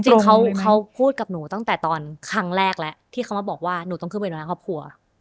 จริงเขาพูดกับหนูตั้งแต่ตอนครั้งแรกแล้วที่เขามาบอกว่าหนูต้องขึ้นไปดูแลครอบครัว